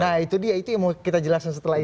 nah itu dia itu yang mau kita jelaskan setelah itu